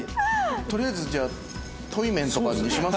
とりあえずじゃあ対面とかにします？